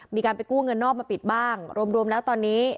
มีการไปกู้เงินนอกมาปิดบ้างรวมแล้วตอนนี้